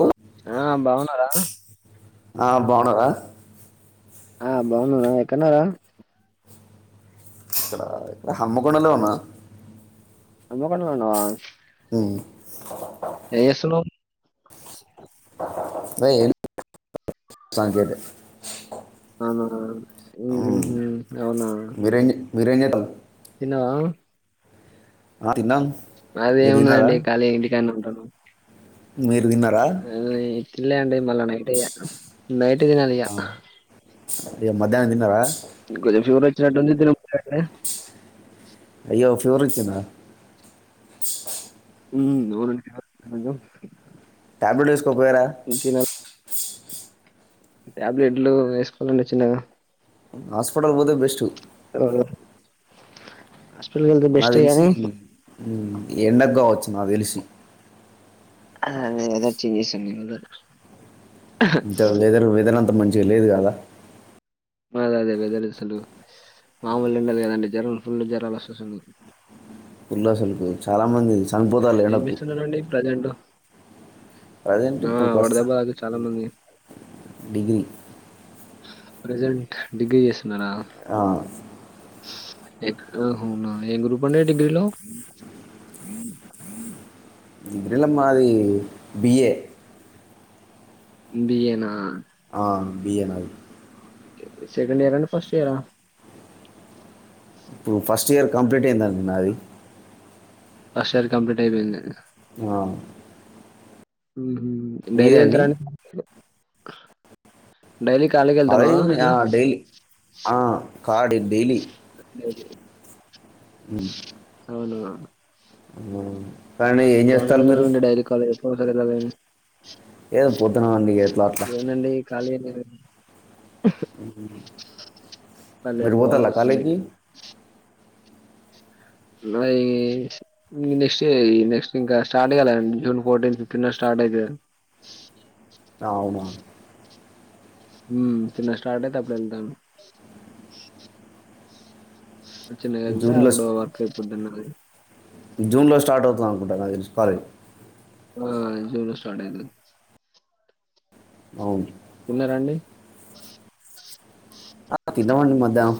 Hello ఆ బాగున్నరా ఆ బాగుంన్నరా ఆ బాగున్నాం రా ఎక్కన్నారా ఇక్కడ ఇక్కడ హమ్మకొండలనే ఉన్నా హన్మకొండలున్నవ అ ఏంజేస్తున్నావ్ [unintelligible] అవునా ఉ ఉ అవునా మీరేంజేతన్రు తిన్నవా ఆ, తిన్నాం మాది మీరు ఏముంనదండి కాళిగా ఇంటికాడున్నాం హలో మీర్ తిన్నా అండి మళ్ళ నైటే ఇగ నైటే తినాలి ఇగ మధ్యాహ్నం తిన్నావా ఇ [unintelligible] రై చాటు నిద్దర [unintelligible] అయ్యో ఫ్యూరిచ్చనా మ్మ్ అవునండి [unintelligible] టాబ్లెట్ వేస్ కో పోయారా కొంచెం తినాలి టాబ్లెట్లు వేసుకోవాలండి చిన్నగా హాస్పిటల్ పోతే బెస్ట్ అవును [unintelligible] వెళితే నాకు బెస్టే తెలిసి కానీ ఎండకు కావచ్చు నాకు తెలిసి ఆ ఇదొచ్చి [unintelligible] ద వెదర్ వెదరంత మం ఈడ లేదు గళ్ళ అ అదే కదండి అసలు మామూలు ఎండ లేదండి జ్వరం ఫుల్ జ్వరం వస్తుంది అసలు పులుసలు చాలా మంది ఏం చేస్తున్నారండి ప్రెజెంటు ప్రెజెంట్ ఇప్పుడు ప్రస్తు వడదెబ్బ తాకి చాలా మంది డిగ్రీ ప్రెజెంట్ డిగ్రీస్ ఉండనా ఆ, నువ్ ఏం గ్రూప్ అండి డిగ్రీలో డిగ్రీల మాది బి. A B. ఎ నా ఆ బి. ఎన్. ఐ సెకండ్ ఇయరా అండ్ ఫస్ట్ ఇయరా ఇప్పుడు ఫస్ట్ ఇయర్ కంప్లీట్ అయిందండి నాది ఫస్ట్ ఇయర్ కంప్లీట్ అయిపోయిందీ ఆ మ్మ్ డైలీ మీదండి వెళ్తారండి డైలీ కాలేజ్ వెళ్తాన్నావా అదే ఆ ఎట్లా డై ఆ కార్డు డైలీ అే మ్మ్ కానీ ఏం బానే చేస్తాలు మీరు వెళ్తున్నానండి [unintelligible] ఏదో పోతున్నాం అండి ఎట్లా అట్లా కాలే ఎన్ని [unintelligible] లే మీరు పోవాల్సి పోతారా వస్తుంది కాలేజ్కి నాయి నెక్స్ట్ ఇ నెక్స్ట్ ఇంకా స్టార్ట్ కాలేండి జూన్ ఫోర్టీన్ ఫిఫ్టీన్ లో స్టార్ట్ అయితు అవునా హ్మ్ చిన్న స్టార్ట్ అయితే అప్పుడు ఎల్తాను చిన్నగెళ్తే జూన్లో అప్పుడు వర్క్ అయిపోద్దన్నది. జూన్లో స్టార్ట్ అవుతుంది అనుకుంటా నాకు తెలిసి కాలేజ్ ఆ జూన్ లో స్టార్ట్ అయితది అవును తిన్నార అండి ఆ తినమండి మధ్యానం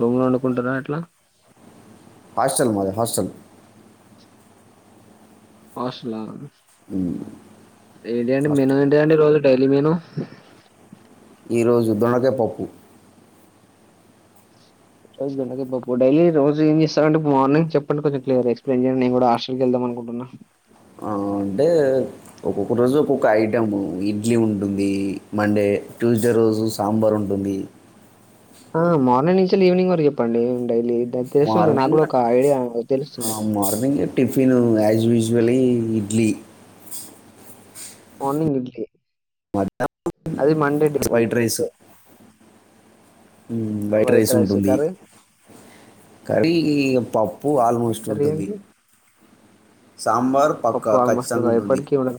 రూమ్ లో వండుకుంటారా ఎట్లా హాస్టల్ మాది హాస్టల్ ఆస్ లా ఏంటిండి మెనూ హాస్టల్ ఏంటియండి రోజు ర ఎలిమను ఈరోజు దొనకే పప్పు రజే డైలీ రోజు ఏం చేస్తార అంటే మార్నింగ్ చెప్పండి కొంచెం క్యర్ ఎక్స్ప్లెయిన్ చేయండి నేను కూడా హాస్టల్ క వెళ్దాం అనుకుంటున్నా ఆ! అంటే ఒక్కొక్క రోజు ఒక్కొక్క ఐటం ఇడ్లీ ఉంటుంది మండే ట్యూస్డే రోజు సాంబార్ ఉంటుంది ఆ మార్నింగ్ నుంచి ఈవినింగ్ వరకు చెప్పండి డైలీ తెలుస్తుంది నాకు మార్నింగ్ కూడా ఒక ఐడియా తెలుస్తుంది tiffin as usually idli morning idli మద్దా అది మండే డైలీ వైట్ రైసు ఉమ్ వైట్ రైస్ ఉంటుంది కర్రీ పప్పు ప్పు ఆల్మోస్ట్ కర్రీ ఉంటుంది అండి సాంబార్ పక్కా పప్పు ఆల్మోస్ట్ ఖచ్చితంగా ఉంటుంది ఎప్పటికీ ఉండదు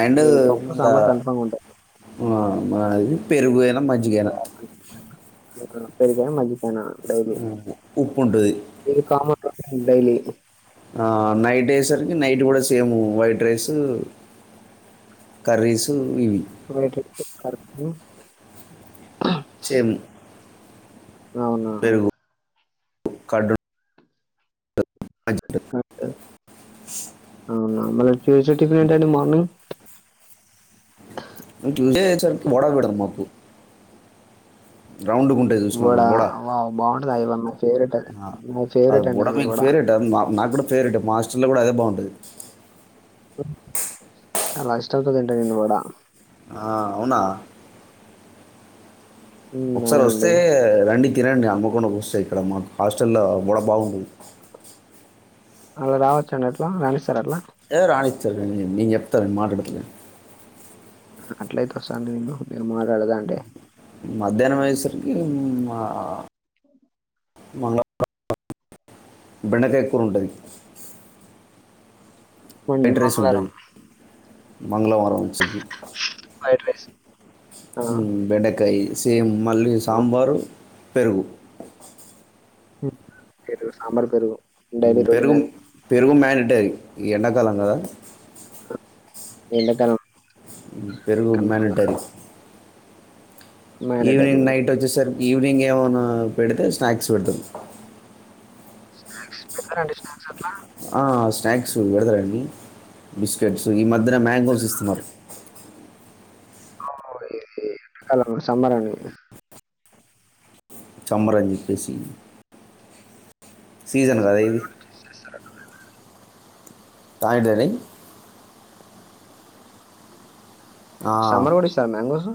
అడ్ంద ఇది పప్పు సాంబార్ కన్ఫామ్ ఉంటది ఉమ్ మనది పెరుగు అయినా మంచిగానా పెరిగా మజి వునా డైలీ ఉప్పు ఉంటది. కా డైలీ ఆ నైట్ అయ్యేసరికి నైట్ కూడా సేమ్ వైట్ రైస్ కర్రీసు ఇవి వేట కర్బు సేమ్ అవునా కడ కట్ అవునా మళ్ళ చూస టిఫిన్ ఏంట అండి మార్నింగ్ ట్యూస్డే తెచ్చారు మోడల్ పెడదాం మబ్ రౌండ్ ఉంటయి చూసినవ వడ బుడ వావ్ బాగుంటది అది వన్ మై ఫేవరెట్ అది నా అది ఫేవరెట్ అండి బుడ మీకు వడ ఫేవరెట్ నాకు కూడా ఫేవరెట్ మా హాస్టల్లో కూడా అదే బాగుంటది చాలా ఇష్టం తో తింటా నేను కూడా ఆ అవునా హ్మ్, ఒకసారి వస్తే అవునండి రండి కిరణ్ అమ్మకుండా చూస్కో ఇక్కడ మాకు హాస్టల్లో బొడ బాగుంటుంది అలా రావచ్చండి అట్లా రాణిస్తారు అట్లా ఏ రాణిస్తార నేను చెప్తార మాటలతోనే అట్లయితే వస్తా అంటివి నేను మాట్లాడతా అం మధ్యాహ్నం అయ్యేసరికి హ్మ్ అ మంగళవారం బెండకాయ కూరుంటది న్ మంగళవారం ఉంటుంది మంగళవారం వచ్చే కి ఫ్రైడ్ రైస్ ఆ, బెండ కాయ సేమ్ మళ్ళీ సాంబారు పెరుగు పెరుగు సాంబార్ పెరుగు ఉ డైలీ రొటీన్ పెరుగు అది పెరుగు మడిటి ఎండాకాలం కదా అ ఎండాకా పెరుగు మనిటరీ మ్యాండేటరీ ఈవినింగ్ నైట్ వచ్చే సర్ ఈవినింగ్ ఏమనా పెడితే స్నాక్స్ పెడతాం స్నాక్స్ పెట్టారండి స్నాక్స్ అట్లా స్నాక్స్ పెడతారండి బిస్కెట్స్ ఈ మధ్యన మ్యాంగోస్ ఇస్తున్నారు. అవును ఈ ఎండాకాలం లో సమ్మర్ అని సమ్మర్ అని చెప్పేసి సీజన్ కద ఇది తాయిడని సమర్వాడి సార్ మ్యాంగోస్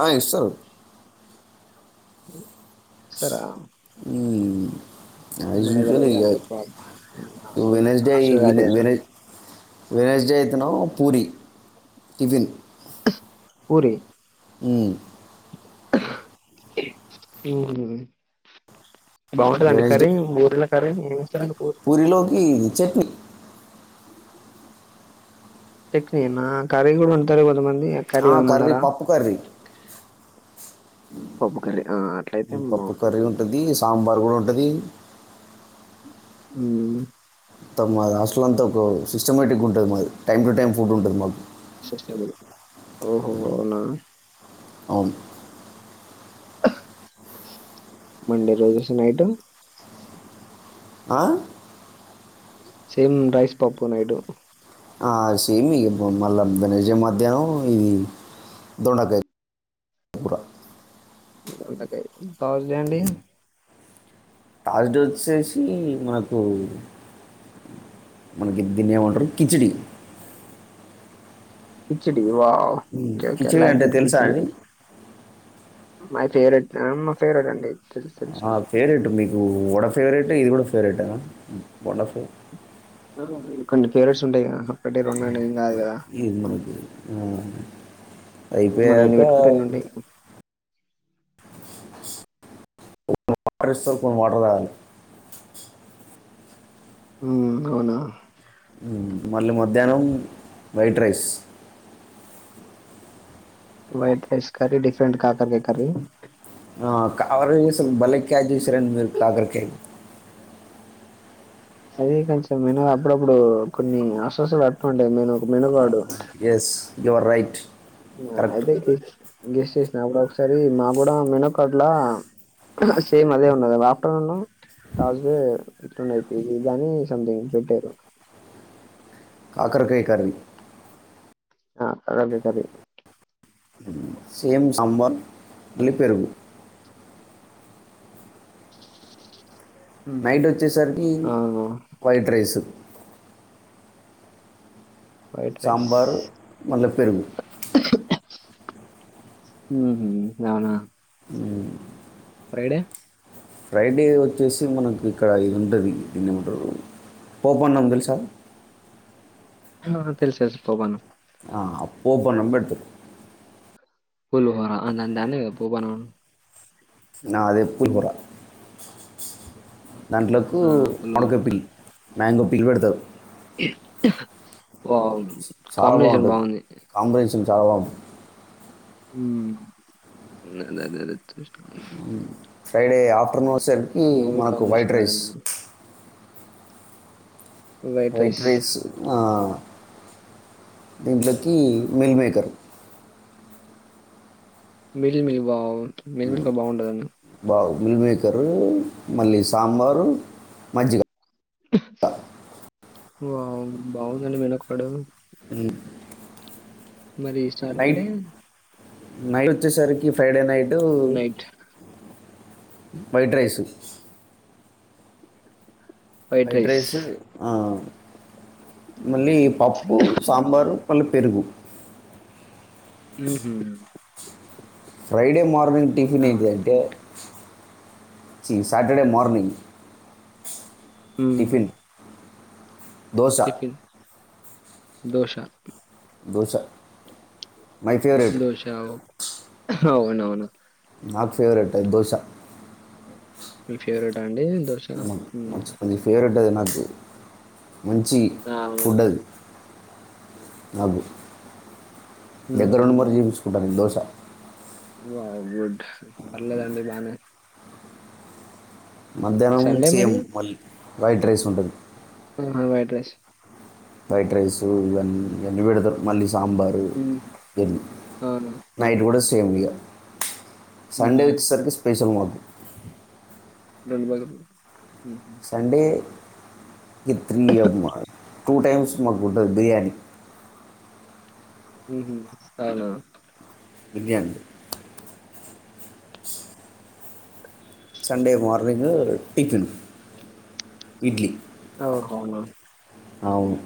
ఆ ఇస్తారు ఇస్తారా ఈ మనకు తెల్వదుగా ఎక్కువ హాస్టల్ వెేజ్ట్ డే అయితనో పూరి టిఫిన్ పూరి ఈ ఉ బాగుంటంది అండి కరి ఊర్ల కారి మీ పురీలోకి చెట్నీ చెట్నీ నా కారి కూడా అంటది కొంత మందికి ఆ కర్రీ పప్పు కర్రీ పప్పుకరి ఈ పప్పు కర్రీ ఉంటది సాంబార్ కూడా ఉంటది అ మా హాస్టల్ అంతా ఒక సిస్టమేటిక్గా ఉంటది మా టైమ్ టు టైమ్ ఫుడ్ ఉంటది మాకు ఓహోనా అవును మండే రోజు నైట్ ఆ? సేమ్ రైస్ పప్పు నైటు ఆ సేమ్ ఇ మళ్ళా బెజ మధ్యాహ్నం ఇది దొండకాయ కూర దొండకాయ తర్స్ డే అండి తర్స్ డే వచ్చేసి మనకు మనకి దీన్ని ఏమంటారు కిచిడిీ కిచిడి వా ఓక ఓకే కిచిడి లైక్ అంటే ఎట్ తెలుసా కిచిడి అండి మై ఫేవరేట్ మా ఫేవరేట్ అండి తెలుసు తెలుసు ఆ ఫేవరెట్ మీకు వడ ఫేవరెట్ ఇది కూడా వరెట్ హ వడ ఫె కొన్ని పేవారేట్స్ ఉంటాయి కదా ఒక్కటీ రెండు అని ఎం లే ఈ మ ఆ మనం ఎన్ని అయిపోయాక పెట్టుకుంటే అన్ని ఉంటాయి స్తారు కొన్ని వాటర్ తగలే ఉ అవునా మళ్ళీ మధ్యాహ్నం white rice white rice curry different కాకర్ కాయ కర్రీ కాకరకాయ్ అదే కొంచెం మేను అప్పుడప్పుడు కొన్ని అసోస్లు పట్టకుంటాయి మేనుకు మేనుగాడు yes you are right correct అదే కీచ్ గెస్ట్ చేసిన అప్పుడు ఒకసారి మా కూడా మెనో కార్ట్లా సేమ్ అదే ఉన్నది ఆఫ్టర్నూన్ తవ్ సేడ్ ఇట్లున్నది దాని సంథింగ్ పెట్టారు కాకరకాయ కర్రీ ఆ కాకరకాయ కర్రీ సేమ్ సాంబార్ మళ్లి పెరుగు నైట్ వచ్చేసరికి అవును white rice white rice sambar మళ్ల పెరుగు హు హు అవునా ఫ్రైడే ఫ్రైడే వచ్చేసి మనకు ఇక్కడ ఇది ఉండది దిన్నేమంటరు పోపన్నం తెలుసా హ హ తెలుసు తెలుసు పోపన్నం ఆ పోపన్నం బెడ్తడు పులీహోర అందన్ దాన్నే గ పోపన్నం నా అదే పుల్హోర దాంట్లకు ఆ పులిహోర మడుకాయ పిడి మ్యాంగో పిడి పెడతారు వావు చాలా బాగుంటది కాంబినేషన్ చవం ఉ దదాదాద చూసిన ఫ్రైడే ఆఫ్టర్నూన్ సరికి మనకు వైట్ కాంబినేషన్ రైస్ కాదండి. వైట్ రైస్ ఆ దీంట్లకి meal maker mill mill wow మిల్మికల్ బాగుంటదండి బాగు మిల్క్ మేకరు మళ్ళీ సాంబారు మజ్జిగ వావ్ బాగుందండి వెనకు పడు మరి నైట్ సాటర్డే నైట్ వచ్చే సరి ఈ Friday night night white rice white rice ఆ మళ్ళీ పప్పు సాంబారు మళ్ళీ పెరుగు ఉహు ఫ్రైడే మా మనింగ్ టిఫిన్ ఏంటి అవును. అంటే చి సటర్డే మార్నింగ్ ఉ tiffin dosa dosa dosa my favourite దోష అవ్ అవునవును నాకు ఫేవరెట్ అది దోశ మీ ఫేవరెటా ఆ అండి దోష కొంచం ఫేవెట్ అది నా మంచి అవును. ఫుడ్ అది అబు దగ్గర హుహు. ఉండి మరి చెప్పిచుకుంట మరి దోశ వావ్ గుడ్ పర్లేదండి బానే మధ్యాహ్నం సండే సేమ్ మరి? మళ్ళీ వైట్ రైస్ ఉంటది ఆహా వైట్ రైస్ ఫ్రైడ్ రైస్ ఇవన్ ఇవన్ని పెడతరు మళ్లీ సాంబారు హ్మ్. ఎ అవును. నైట్ కూడా సే సేమ్ ఇగా సండే హ్మ్. వచ్చేసరికి స్పెషల్ మాకు ఊ రండి బ్రదర్ సండే ఇ త్రీ యంమ్మార్ టూ టైమ్స్ మాకు ఉంటది బిర్యానీ ఉ హు అవున biryani Sunday morning tiffin idli ఓహో! అవును